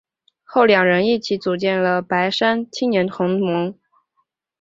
后两人一起组建了白山青年同盟。